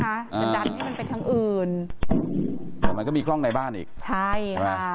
จะดันให้มันไปทางอื่นแต่มันก็มีกล้องในบ้านอีกใช่ใช่ไหม